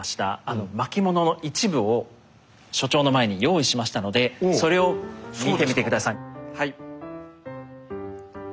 あの巻物の一部を所長の前に用意しましたのでそれを見てみて下さいはい。